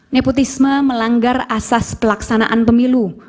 nepotisme melanggar asas pelaksanaan pemilu